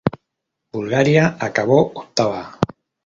Bulgaria acabó octava.